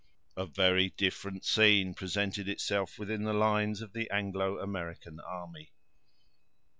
A very different scene presented itself within the lines of the Anglo American army.